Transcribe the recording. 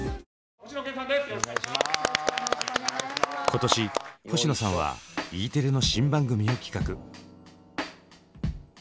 今年星野さんはＥテレの新番組を企画。